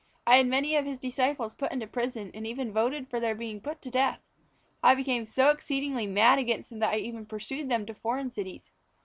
I had many of His disciples put into prison and even voted for their being put to death. I became so exceedingly mad against them that I even pursued them to foreign cities.